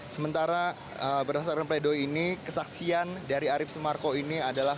sementara berdasarkan pledoi ini kesaksian dari arief sumarko ini adalah